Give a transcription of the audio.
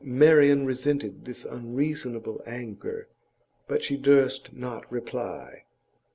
Marian resented this unreasonable anger, but she durst not reply.